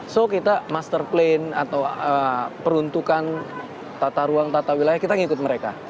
so kita master plan atau peruntukan tata ruang tata wilayah kita ngikut mereka